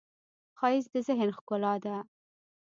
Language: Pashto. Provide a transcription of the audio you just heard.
ښایست د ذهن ښکلا ده